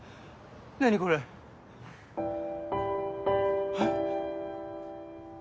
何これえっ？